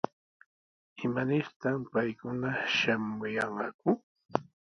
¿Imanirtaq paykuna shamuyanqaku?